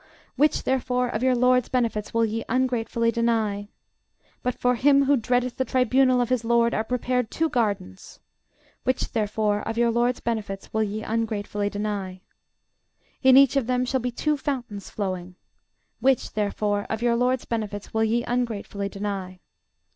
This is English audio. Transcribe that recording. Which, therefore, of your LORD'S benefits will ye ungratefully deny? But for him who dreadeth the tribunal of his LORD are prepared two gardens: (Which, therefore, of your LORD'S benefits will ye ungratefully deny?) In each of them shall be two fountains flowing. Which, therefore, of your LORD'S benefits will ye ungratefully deny?